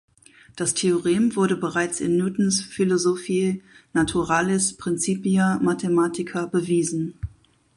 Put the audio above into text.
Das Theorem wurde bereits in Newtons Philosophiae Naturalis Principia Mathematica bewiesen.